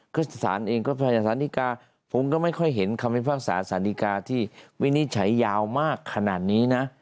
ก็สถานเองก็ภาษาสาธิกาผมก็ไม่ค่อยเห็นคำให้ภาษาสาธิกาที่วินิจฉัยาวมากขนาดนี้นะ